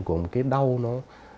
của một cái đau nó